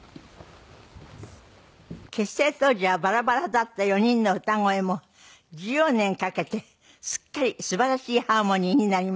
結成当時はバラバラだった４人の歌声も１４年かけてすっかりすばらしいハーモニーになりました。